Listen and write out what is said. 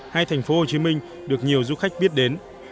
hai thành phố hồ chí minh được nhiều du khách biết đến